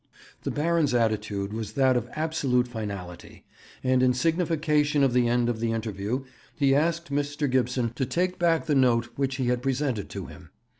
The Baron's attitude was that of absolute finality, and in signification of the end of the interview he asked Mr. Gibson to take back the note which he had presented to him.